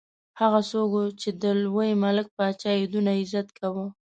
هغه څوک وو چې د لوی ملک پاچا یې دونه عزت کاوه.